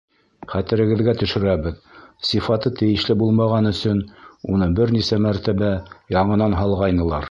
Хәтерегеҙгә төшөрәбеҙ: сифаты тейешле булмаған өсөн уны бер нисә мәртәбә яңынан һалғайнылар.